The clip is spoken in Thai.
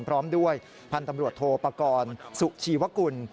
พร้อมด้วยพันธุ์ตำรวจโทปกรณ์สุชีวกุล